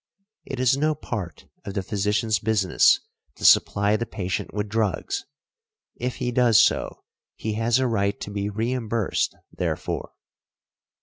It is no part of the physicians business to supply the patient with drugs; if he does so he has a right to be reimbursed therefor .